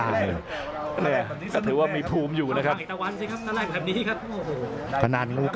อัศวินาศาสตร์